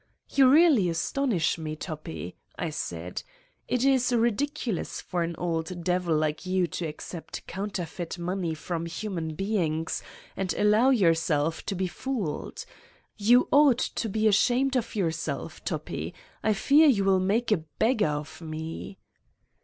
"You really astonish me, Toppi," I said, "it is ridiculous for an old devil like you to accept coun terfeit money from human beings, and allow your self to be fooled. You ought to be ashamed of yourself, Toppi. I fear you will make a beggar of me."